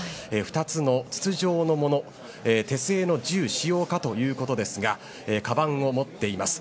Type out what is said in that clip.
２つの筒状のもの手製の銃使用かということですがかばんを持っています。